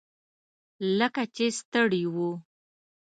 لکه چې ستړي وو.